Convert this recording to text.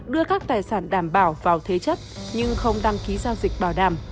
đưa các tài sản đảm bảo vào thế chấp nhưng không đăng ký giao dịch bảo đảm